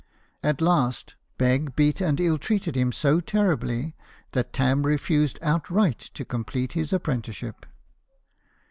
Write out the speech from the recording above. At last, Begg beat and ill treated him so terribly that Tarn refused outright to com plete his apprenticeship.